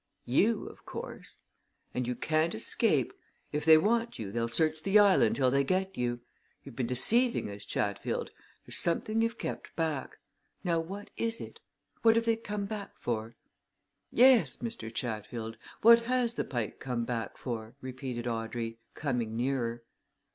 You, of course. And you can't escape if they want you, they'll search the island till they get you. You've been deceiving us, Chatfield there's something you've kept back. Now, what is it? What have they come back for?" "Yes, Mr. Chatfield, what has the Pike come back for?" repeated Audrey, coming nearer.